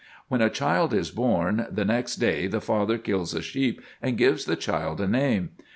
When a child is born, the next day the father kills a sheep, and gives the child a name.